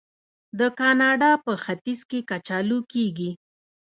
د کاناډا په ختیځ کې کچالو کیږي.